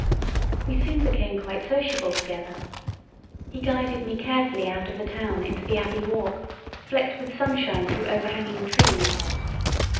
We soon became quite sociable together. He guided me carefully out of the town into the Abbey walk, flecked with sunshine through overhanging trees.